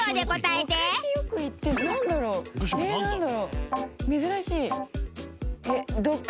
えっ。